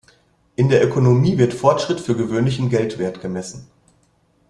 In der Ökonomie wird Fortschritt für gewöhnlich in Geldwert gemessen.